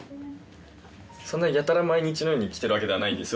そんなやたら毎日のように来てるわけではないんですよ